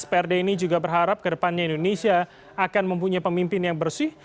prd ini juga berharap ke depannya indonesia akan mempunyai pemimpin yang bersih